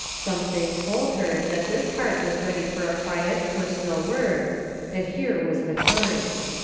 Something told her that this heart was ready for a quiet personal word and here was the time.